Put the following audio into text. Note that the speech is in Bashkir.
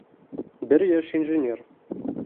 Бер йәш инженер.